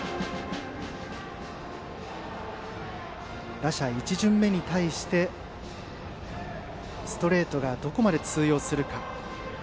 打者１巡目に対してストレートがどこまで通用するか。